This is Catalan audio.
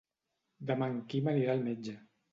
Demà en Quim anirà al metge.